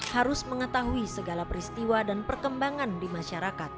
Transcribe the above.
harus mengetahui segala peristiwa dan perkembangan di masyarakat